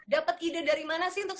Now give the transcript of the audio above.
dapat ide dari mana sih untuk